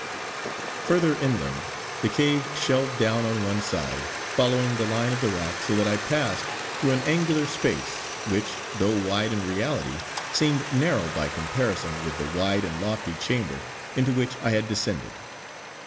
Further inland the cave shelved down on one side, following the line of the rock so that I passed through an angular space which, though wide in reality, seemed narrow by comparison with the wide and lofty chamber into which I had descended.